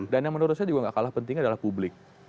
dan yang menurut saya juga gak kalah penting adalah publik